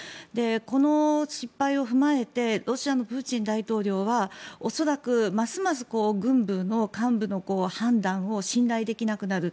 この失敗を踏まえてロシアのプーチン大統領は恐らくますます軍部の幹部の判断を信頼できなくなる。